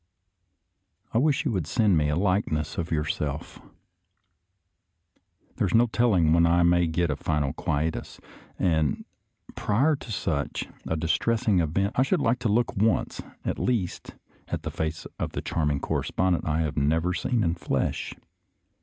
I wish you would send me a likeness of your self. There is no telling when I may get a final quietus, and prior to such a distressing event I should like to look once, at least, at the face of the charming correspondent I have never seen in the flesh.